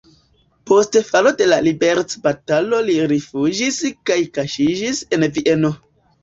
Post falo de la liberecbatalo li rifuĝis kaj kaŝiĝis en Vieno.